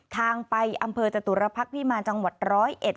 ทางไปอำเภอจตุระพักษณ์ที่มาจังหวัด๑๐๑